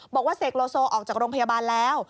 เสกโลโซออกจากโรงพยาบาลแล้ว